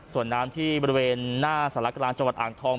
ส่วนน้ำที่บริเวณหน้าสารกลางจังหวัดอ่างทอง